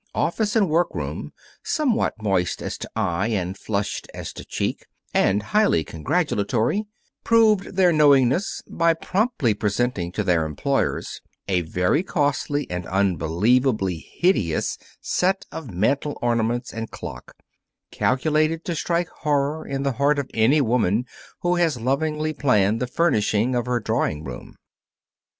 Office and workroom, somewhat moist as to eye and flushed as to cheek and highly congratulatory, proved their knowingness by promptly presenting to their employers a very costly and unbelievably hideous set of mantel ornaments and clock, calculated to strike horror to the heart of any woman who has lovingly planned the furnishing of her drawing room.